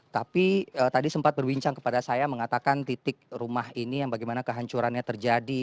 tapi tadi sempat berbincang kepada saya mengatakan titik rumah ini yang bagaimana kehancurannya terjadi